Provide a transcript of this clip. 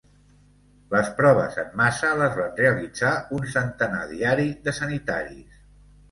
Les proves en massa les van realitzar un centenar diari de sanitaris.